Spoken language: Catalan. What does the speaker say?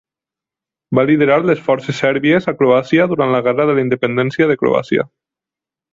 Va liderar les forces sèrbies a Croàcia durant la Guerra de la Independència de Croàcia.